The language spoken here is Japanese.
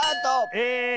え。